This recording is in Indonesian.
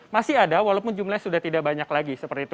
masih ada walaupun jumlahnya sudah tidak banyak lagi